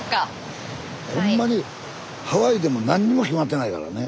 スタジオほんまにハワイでも何にも決まってないからね。